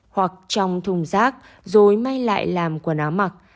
hoặc trong thùng rác rồi may lại làm quần áo mặc